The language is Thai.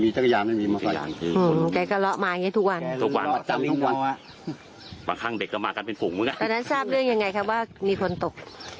มาอย่างงี้ทุกวันทุกวันจำทุกวันบางครั้งเด็กก็มากันเป็นฝุ่งมึงตอนนั้นทราบเรื่องยังไงครับว่ามีคนตก